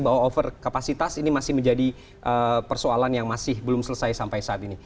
bahwa over kapasitas ini masih menjadi persoalan yang masih belum selesai sampai saat ini